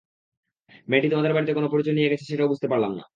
মেয়েটি তোমাদের বাড়িতে কোন পরিচয় নিয়ে গেছে সেটাও বুঝতে পারলাম না।